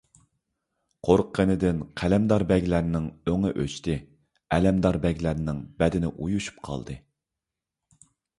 قورققىنىدىن قەلەمدار بەگلەرنىڭ ئۆڭى ئۆچتى، ئەلەمدار بەگلەرنىڭ بەدىنى ئۇيۇشۇپ قالدى.